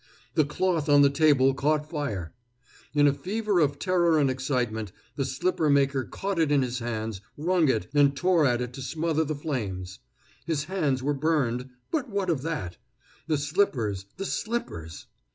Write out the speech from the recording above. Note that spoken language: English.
The cloth on the table caught fire. In a fever of terror and excitement, the slipper maker caught it in his hands, wrung it, and tore at it to smother the flames. His hands were burned, but what of that? The slippers, the slippers!